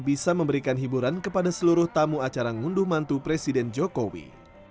bisa memberikan hiburan kepada seluruh tamu acara ngunduh mantu presiden jokowi